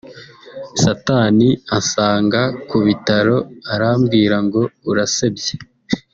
Satani ansanga ku bitaro arambwira ngo urasebye